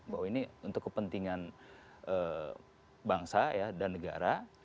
bahwa ini untuk kepentingan bangsa dan negara